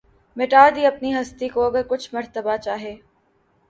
مٹا دی اپنی ھستی کو اگر کچھ مرتبہ چاھے